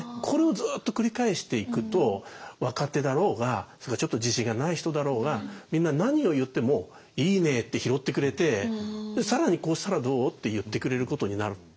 これをずっと繰り返していくと若手だろうがちょっと自信がない人だろうがみんな何を言ってもいいねって拾ってくれて更にこうしたらどうって言ってくれることになる。